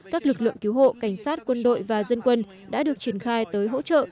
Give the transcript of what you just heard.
các lực lượng cứu hộ cảnh sát quân đội và dân quân đã được triển khai tới hỗ trợ